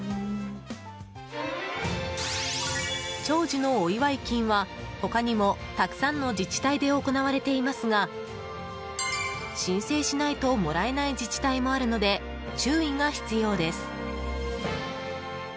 長寿のお祝い金は他にも、たくさんの自治体で行われていますが申請しないともらえない自治体もあるので注意が必要です。